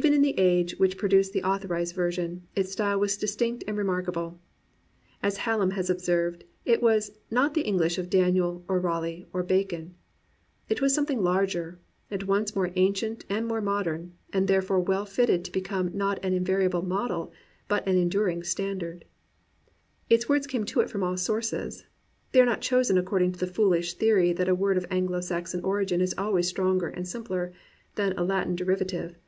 Even in the age which pro duced the authorized version, its style was distinct and remarkable. As Hallam has observed, it was "not the English of Daniel, of Raleigh, or Bacon." It was something larger, at once more ancient and more modern, and therefore well fitted to become not an invariable model, but an enduring standard. Its words come to it from all sources; they are not chosen according to the foolish theory that a word of Anglo Saxon origin is always stronger and simpler than a Latin derivative.